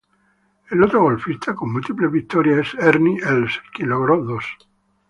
El otro golfista con múltiples victorias es Ernie Els, quien logró dos.